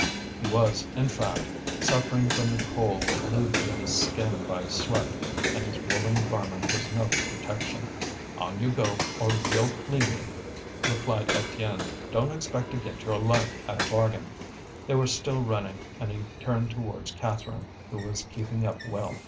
He was, in fact, suffering from the coal glued to his skin by sweat, and his woollen garment was no protection. "On you go, or we'll clean you," replied Étienne. "Don't expect to get your life at a bargain." They were still running, and he turned towards Catherine, who was keeping up well.